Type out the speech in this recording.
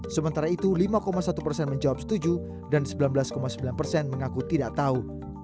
sementara itu lima satu persen menjawab setuju dan sembilan belas sembilan persen mengaku tidak tahu